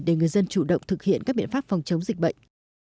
để người dân chủ động thực hiện các biện pháp phòng chống dịch bệnh